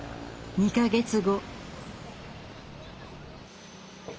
２か月後。